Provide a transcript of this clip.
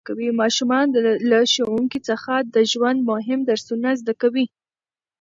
ماشومان له ښوونکي څخه د ژوند مهم درسونه زده کوي